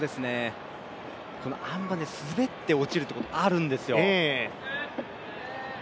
あん馬、滑って落ちるということがあるんですよ。